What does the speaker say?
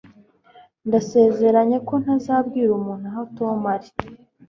Ndasezeranye ko ntazabwira umuntu aho Tom ari.